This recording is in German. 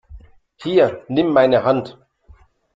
Hier, nimm meine Hand!